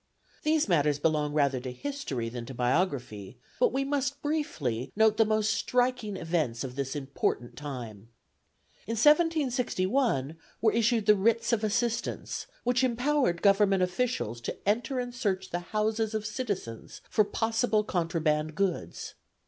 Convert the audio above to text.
These matters belong rather to history than to biography, but we must briefly note the most striking events of this important time. In 1761 were issued the Writs of Assistance, which empowered Government officials to enter and search the houses of citizens for possible contraband goods.